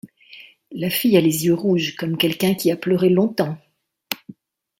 La fille a les yeux rouges comme quelqu’un qui a pleuré longtemps.